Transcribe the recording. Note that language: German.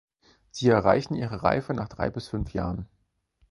Sie erreichen ihre Reife nach drei bis fünf Jahren.